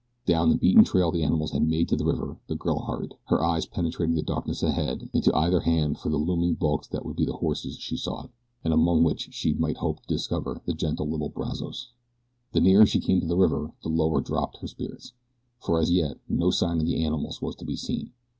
Down the beaten trail the animals had made to the river the girl hurried, her eyes penetrating the darkness ahead and to either hand for the looming bulks that would be the horses she sought, and among which she might hope to discover the gentle little Brazos. The nearer she came to the river the lower dropped her spirits, for as yet no sign of the animals was to be seen.